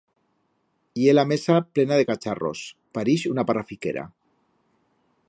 Ye la mesa plena de cacharros, parix una parrafiquera.